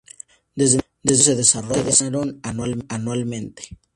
Desde entonces se desarrollaron anualmente.